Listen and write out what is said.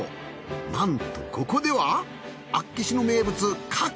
なんとここでは厚岸の名物牡蠣。